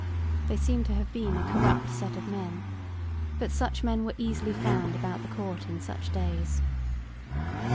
They seem to have been a corrupt set of men; but such men were easily found about the court in such days.